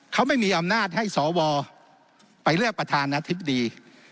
เขาไม่มีอำนาจให้สวไปเลือกประธานาธิบดี